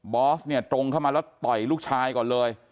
อสเนี่ยตรงเข้ามาแล้วต่อยลูกชายก่อนเลย